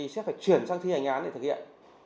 sẽ phải chuyển sang thi hành án để thực hiện